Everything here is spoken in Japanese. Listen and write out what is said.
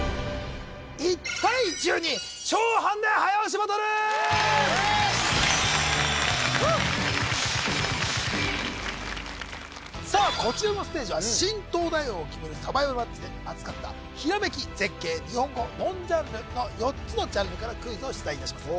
ハンデ早押しバトルさあこちらのステージは新東大王を決めるサバイバルマッチで扱ったひらめき絶景日本語ノンジャンルの４つのジャンルからクイズを出題いたします